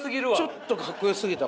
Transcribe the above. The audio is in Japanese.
ちょっとかっこよすぎたかな。